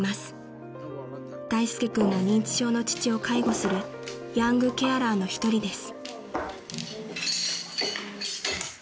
［大介君も認知症の父を介護するヤングケアラーの一人です］